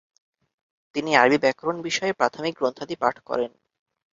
তিনি আরবি ব্যাকরণ বিষয়ে প্রাথমিক গ্রন্থাদি পাঠ করেন।